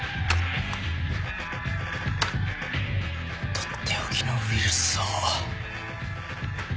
とっておきのウイルスを。